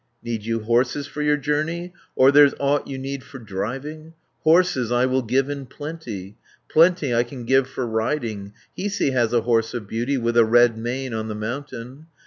"Need you horses for your journey, Or there's aught you need for driving, Horses I will give in plenty, Plenty I can give for riding. 450 Hiisi has a horse of beauty, With a red mane, on the mountain.